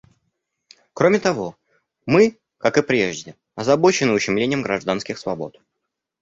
Кроме того, мы, как и прежде, озабочены ущемлением гражданских свобод.